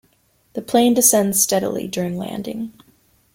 The plane descends steadily during landing.